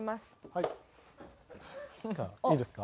いいですか？